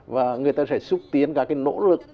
và người ta sẽ xúc tiến cả cái nỗ lực